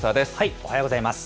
おはようございます。